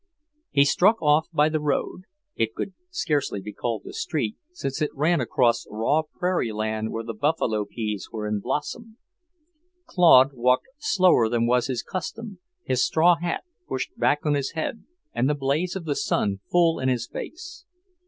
He struck off by the road, it could scarcely be called a street, since it ran across raw prairie land where the buffalo peas were in blossom. Claude walked slower than was his custom, his straw hat pushed back on his head and the blaze of the sun full in his face.